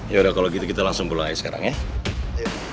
yaudah kalau gitu kita langsung pulang aja sekarang ya